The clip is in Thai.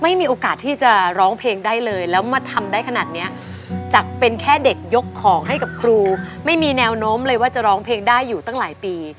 มีโอกาสที่จะร้องเพลงได้เลยแล้วมาทำได้ขนาดเนี้ยจากเป็นแค่เด็กยกของให้กับครูไม่มีแนวโน้มเลยว่าจะร้องเพลงได้อยู่ตั้งหลายปี